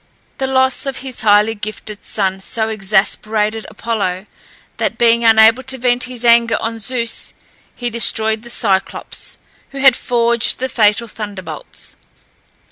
The loss of his highly gifted son so exasperated Apollo that, being unable to vent his anger on Zeus, he destroyed the Cyclops, who had forged the fatal thunderbolts.